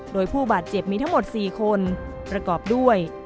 โดยผู้บาดเจ็บมีทั้งหมด๔คนประกอบด้วย